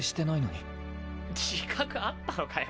自覚あったのかよ。